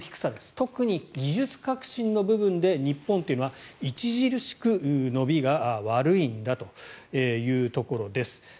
特に技術革新の部分で日本というのは著しく伸びが悪いんだというところです。